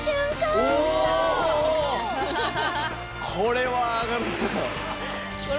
これは上がるだろ。